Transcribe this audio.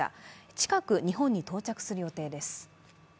近く、日本に到着する予定です。